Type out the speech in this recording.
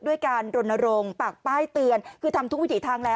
ด้วยการรณรงค์ปากป้ายเตือนคือทำทุกวิถีทางแล้ว